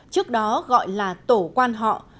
trước đó gọi là tổ quan họ